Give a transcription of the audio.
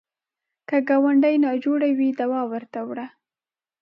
که ګاونډی ناجوړه وي، دوا ورته وړه